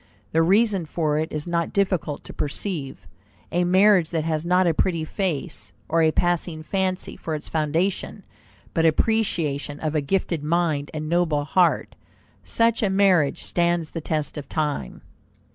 The reason for it is not difficult to perceive. A marriage that has not a pretty face or a passing fancy for its foundation, but appreciation of a gifted mind and noble heart, such a marriage stands the test of time.